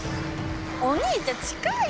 お兄ちゃん近い！